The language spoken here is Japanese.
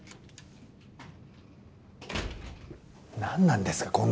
なんなんですか？